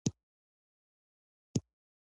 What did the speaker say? یو ښه رهبر خپلو خلکو ته دا انګېزه ورکوي.